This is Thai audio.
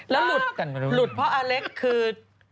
แล้วหลุดเพราะอเล็กซ์คือ